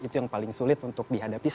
itu yang paling sulit untuk dihadapi